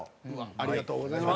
ありがとうございます。